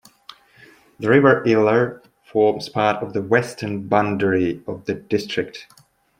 The river Iller forms part of the western boundary of the district.